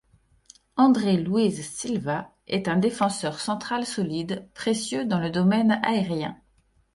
André Luiz Silva est un défenseur central solide, précieux dans le domaine aérien.